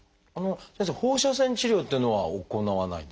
先生放射線治療っていうのは行わないんでしょうか？